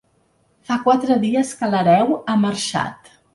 Fa quatre dies que l'hereu ha marxat.